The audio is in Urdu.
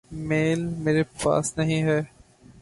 میل میرے پاس نہیں ہے۔۔